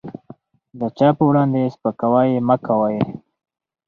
د چا په وړاندې سپکاوی مه کوئ.